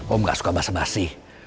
om gak suka basah basi